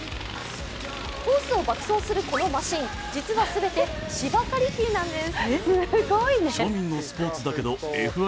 コースを爆走するこのマシン、実は全て芝刈機なんです。